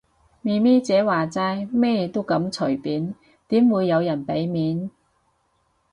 咪咪姐話齋，咩都咁隨便，點會有人俾面